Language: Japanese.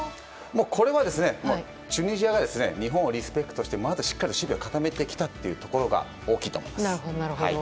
これはチュニジアが日本をリスペクトしてまず守備をしっかり固めてきたことが大きいと思います。